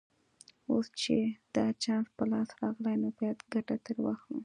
اوس چې دا چانس په لاس راغلی نو باید ګټه ترې واخلو